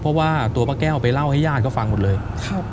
เพราะว่าตัวป้าแก้วไปเล่าให้ญาติเขาฟังหมดเลย